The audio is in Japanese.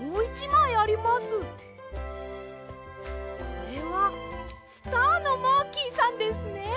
これはスターのマーキーさんですね。